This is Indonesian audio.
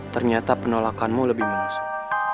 ternyata penolakanmu lebih menusuk